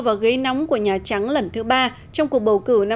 và ghế nóng của nhà trắng lần thứ ba trong cuộc bầu cử năm hai nghìn hai mươi